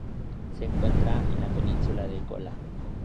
Se encuentra en la Península de Kola.